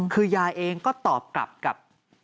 คือยายเองก็ตอบกลับกับ